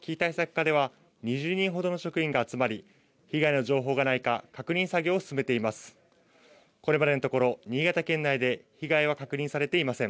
課では、２０人ほどの職員が集まり、被害の情報がないか確認作業を進めています。